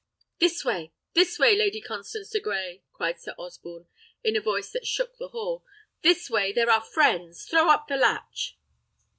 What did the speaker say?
"This way! this way! Lady Constance de Grey," cried Sir Osborne, in a voice that shook the hall. "This way there are friends. Throw up the latch!"